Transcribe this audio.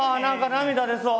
涙出そう。